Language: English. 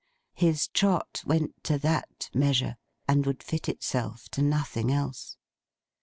'—his trot went to that measure, and would fit itself to nothing else.